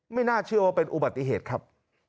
ไม่น่าเชื่อว่าเป็นอุบัติเหตุครับ